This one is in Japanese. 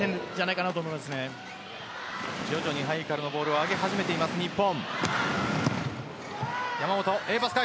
徐々にハイカルのボールを上げています、日本。